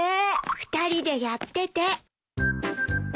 ２人でやってて。